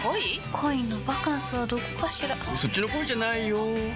恋のバカンスはどこかしらそっちの恋じゃないよ